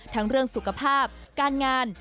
เรื่องสุขภาพการงาน